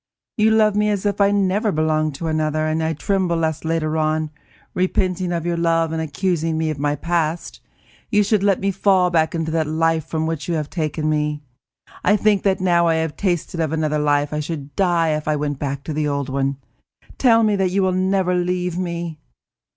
You love me as if I had never belonged to another, and I tremble lest later on, repenting of your love, and accusing me of my past, you should let me fall back into that life from which you have taken me. I think that now that I have tasted of another life, I should die if I went back to the old one. Tell me that you will never leave me!"